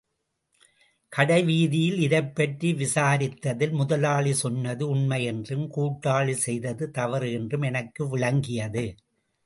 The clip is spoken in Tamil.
கடைவீதியில் இதைப்பற்றி விசாரித்ததில், முதலாளி சொன்னது உண்மையென்றும், கூட்டாளி செய்தது தவறு என்றும் எனக்கு விளங்கியது.